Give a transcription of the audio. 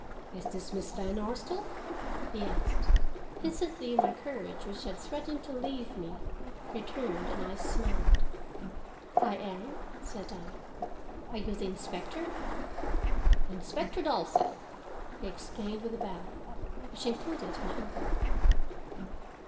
"Is this Miss Van Arsdale?" he asked. Instantly my courage, which had threatened to leave me, returned and I smiled. "I am," said I. "Are you the inspector?" "Inspector Dalzell," he explained with a bow, which included my uncle.